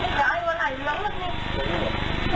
ภาพ